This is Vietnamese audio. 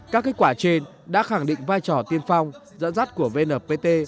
các kết quả trên đã khẳng định vai trò tiên phong dẫn dắt của vnpt